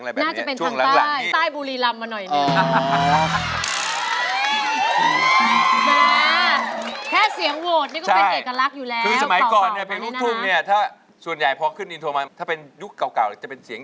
น่าจะเป็นทางใต้บุรีลำมาหน่อย